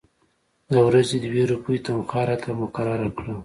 د ورځې دوې روپۍ تنخوا راته مقرره کړه.